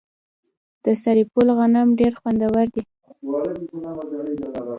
د سرپل غنم ډیر خوندور دي.